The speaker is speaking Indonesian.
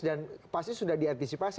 dan pasti sudah diantisipasi